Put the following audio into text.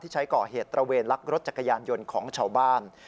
ใช้ก่อเหตุตระเวนลักรถจักรยานยนต์ของชาวบ้าน